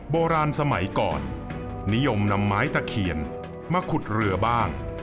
โบราณสมัยก่อนนิยมนำไม้ตะเคียนมาขุดเรือบ้าง